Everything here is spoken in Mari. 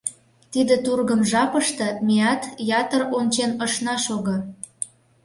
Тиде тургым жапыште меат ятыр ончен ышна шого.